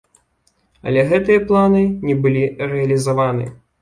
Але гэтыя планы не былі рэалізаваны.